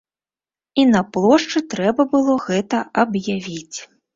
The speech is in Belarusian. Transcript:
І на плошчы трэба было гэта аб'явіць.